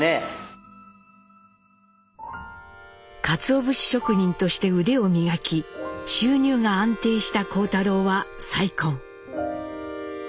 かつお節職人として腕を磨き収入が安定した幸太郎は再婚。